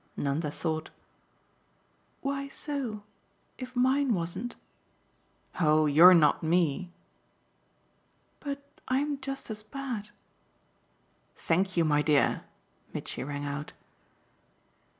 Nanda thought. "Why so if mine wasn't?" "Oh you're not me!" "But I'm just as bad." "Thank you, my dear!" Mitchy rang out.